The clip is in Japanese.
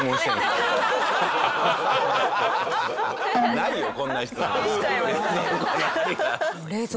ないよこんな質問。